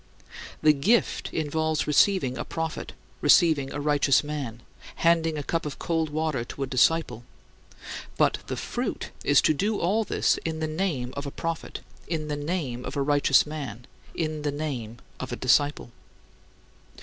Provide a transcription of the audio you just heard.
The "gift" involves receiving a prophet, receiving a righteous man, handing a cup of cold water to a disciple: but the "fruit" is to do all this in the name of a prophet, in the name of a righteous man, in the name of a disciple.